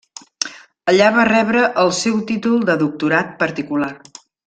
Allà va rebre el seu títol de Doctorat particular.